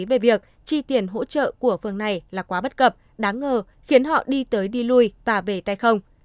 về việc chi tiền hỗ trợ của phường này là quá bất cập đáng ngờ khiến họ đi tới đi lui và về tay không